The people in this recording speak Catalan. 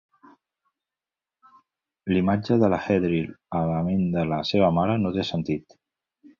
La imatge de l'Hedril a la ment de la seva mare no té sentit.